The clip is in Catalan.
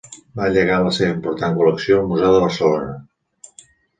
Va llegar la seva important col·lecció al Museu de Barcelona.